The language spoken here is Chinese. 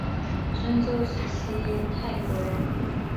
春秋时期秦国人。